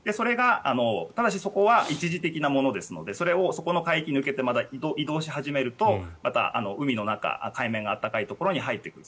ただしそこは一時的なものなのでそこの海域を抜けて移動し始めるとまた海の中海面の暖かいところに入ってくる。